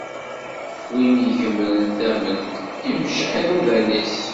Win igemren tament, imecceḥ iḍudan-is.